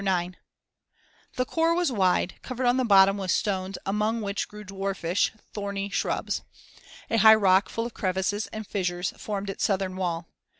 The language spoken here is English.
IX The khor was wide, covered on the bottom with stones among which grew dwarfish, thorny shrubs. A high rock full of crevices and fissures formed its southern wall.